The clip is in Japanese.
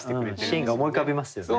シーンが思い浮かびますよね。